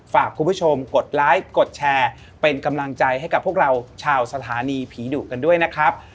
ฝากคุณผู้ชมกดไลค์กดแชร์เป็นกำลังใจให้กับพวกเราชาวสถานีผีดุกันด้วยนะครับ